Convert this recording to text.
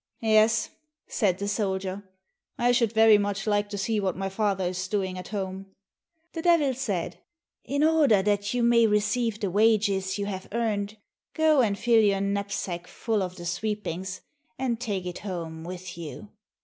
"Yes," said the soldier, "I should very much like to see what my father is doing at home." The Devil said, "In order that you may receive the wages you have earned, go and fill your knapsack full of the sweepings, and take it home with you.